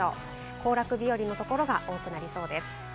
行楽日和の所が多くなりそうです。